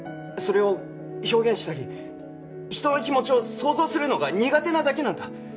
それを表現したり人の気持ちを想像するのが苦手なだけなんだ。